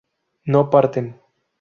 no parten